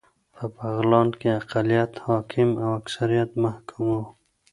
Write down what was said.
په بغلان کې اقلیت حاکم او اکثریت محکوم و